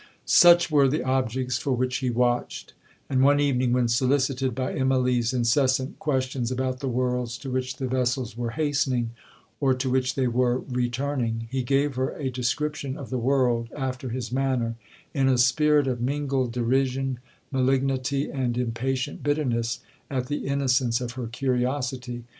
'Such were the objects for which he watched; and one evening, when solicited by Immalee's incessant questions about the worlds to which the vessels were hastening, or to which they were returning, he gave her a description of the world, after his manner, in a spirit of mingled derision, malignity, and impatient bitterness at the innocence of her curiosity.